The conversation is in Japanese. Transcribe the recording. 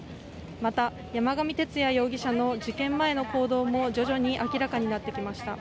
また山上徹也容疑者の事件前の行動も徐々に明らかになってきました